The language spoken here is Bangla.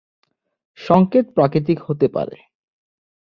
সংকেত প্রাকৃতিক হতে পারে।